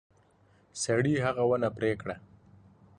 سړي هغه ونه پرې کړه.